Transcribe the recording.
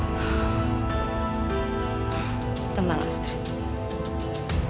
kamu pasti akan bisa menemukan cara untuk menyimpan melly